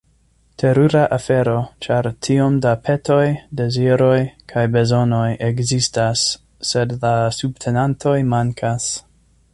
Terura afero, ĉar tiom da petoj, deziroj kaj bezonoj ekzistas, sed la subtenantoj mankas.